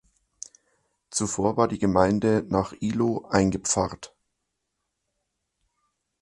Zuvor war die Gemeinde nach Ihlow eingepfarrt.